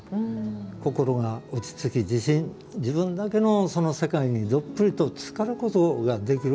心が落ち着き、自分だけの世界にどっぷりとつかることができる。